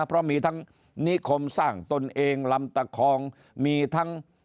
เพราะมีทั้งนิคมสร้างตนเองลำตะคองมีทั้ง